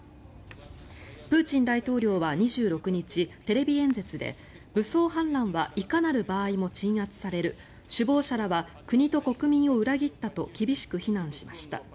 プーチン大統領は２６日テレビ演説で武装反乱はいかなる場合も鎮圧される首謀者らは国と国民を裏切ったと厳しく非難しました。